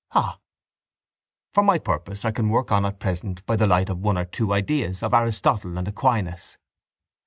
—Ha! —For my purpose I can work on at present by the light of one or two ideas of Aristotle and Aquinas.